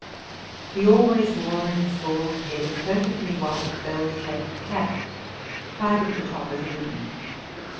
He always wore on his bald head a perfectly white bell shaped cap, tied at the top with a ribbon.